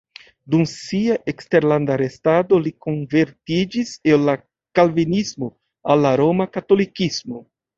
Dum sia eksterlanda restado li konvertiĝis el la kalvinismo al la roma katolikismo.